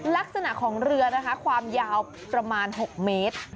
ลักษณะของเรือนะคะความยาวประมาณ๖เมตร